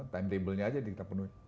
time table nya aja kita penuhi